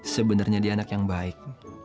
sebenarnya dia anak yang baik